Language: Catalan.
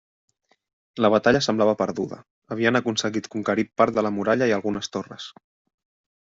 La batalla semblava perduda, havien aconseguit conquerir part de la muralla i algunes torres.